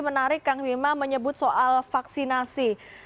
menarik kang bima menyebut soal vaksinasi